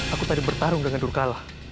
aku tadi bertarung dengan durkala